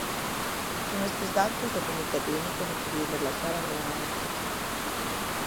Con estes datos, o comité clínico decidiu relaxar algunhas restricións.